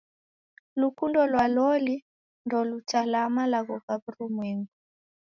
Lukundo lwa loli ndolutalaa malagho gha w'urumwengu.